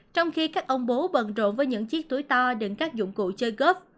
trong khi các ông bố bận rộn với những chiếc túi to đựng các dụng cụ chơi golf